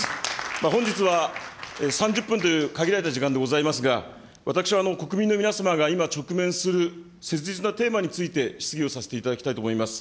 本日は３０分という限られた時間でございますが、私は国民の皆様が今直面する切実なテーマについて質疑をさせていただきたいと思います。